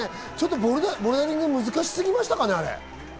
ボルダリング、難しすぎましたかね？